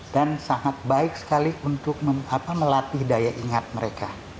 dan sangat baik sekali untuk melatih daya ingat mereka